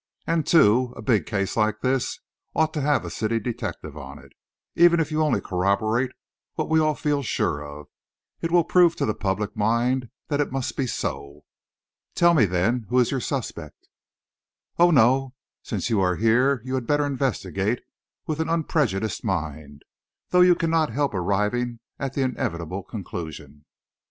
And, too, a big case like this ought to have a city detective on it. Even if you only corroborate what we all feel sure of, it will prove to the public mind that it must be so." "Tell me then, who is your suspect?" "Oh, no, since you are here you had better investigate with an unprejudiced mind. Though you cannot help arriving at the inevitable conclusion."